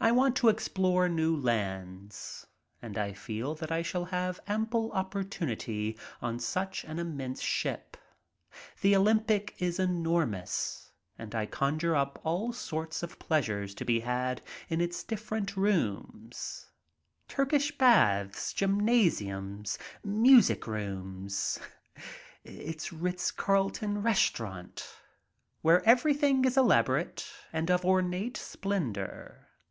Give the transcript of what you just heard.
I want to explore new lands and I feel that I shall have ample opportunity on such an immense ship. The Olympic is enormous and I conjure up all sorts of pleasure to be had in its different rooms — Turkish baths, gymnasium, music rooms — its Ritz Carlton restaurant, where everything is elaborate and of ornate splendor.